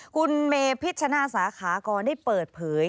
คุณเมย์พิจารณาสาขากรได้เปิดเผย